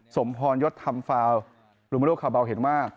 สมพรณยศท่ำฟายลูมโมโลคาร์เบาเห็นว่า